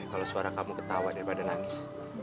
kalau suara kamu ketawa daripada nangis